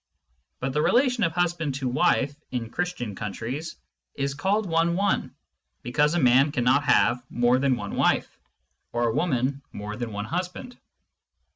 But the relation of husband to wife (in Christian countries) is called one one, because a man cannot have more than one wife, or a woman more than one husband.